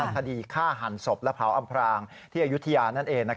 คดีฆ่าหันศพและเผาอำพรางที่อายุทยานั่นเอง